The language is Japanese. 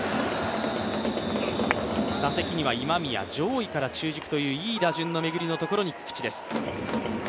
打席には今宮、上位から中軸といういい打順の巡りのところに菊地です。